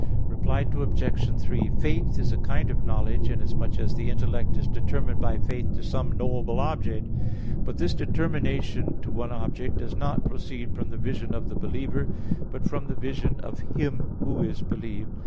Reply Obj. 3: Faith is a kind of knowledge, inasmuch as the intellect is determined by faith to some knowable object. But this determination to one object does not proceed from the vision of the believer, but from the vision of Him who is believed.